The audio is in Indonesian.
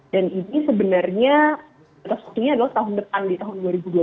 dan ini sebenarnya adalah tahun depan di tahun dua ribu dua puluh empat